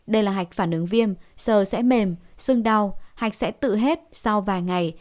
đây là hạch phản ứng viêm sờ sẽ mềm sưng đau hạch sẽ tự hết sau vài ngày